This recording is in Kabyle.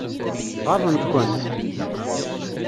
Ɣaḍent-ken?